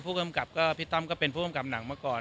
ผู้กำกับก็พี่ต้อมก็เป็นผู้กำกับหนังมาก่อน